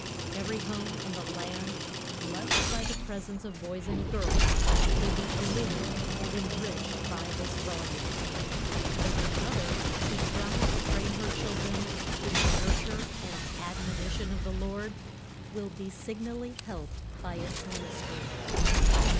Every home in the land blessed by the presence of boys and girls will be illumined and enriched by this volume; every mother who strives to train her children "in the nurture and admonition of the Lord" will be signally helped by its ministry.